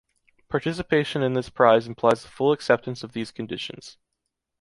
Participation in this prize implies the full acceptance of these conditions.